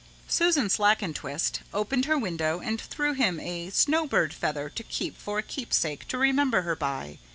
Susan Slackentwist opened her window and threw him a snow bird feather to keep for a keepsake to remember her by.